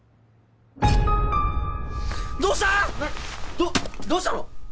どどうしたの？